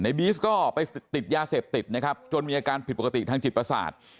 บีสก็ไปติดยาเสพติดนะครับจนมีอาการผิดปกติทางจิตประสาท